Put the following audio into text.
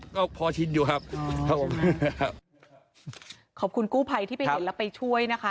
ขอบคุณกู้ภัยที่ไปเห็นและไปช่วยนะคะ